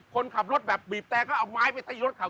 คนขับรถแบบบีบแต่ก็เอาไม้ไปตีรถเขา